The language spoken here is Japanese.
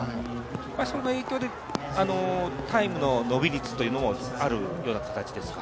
それが影響で、タイムの伸び率というのもあるような形ですか？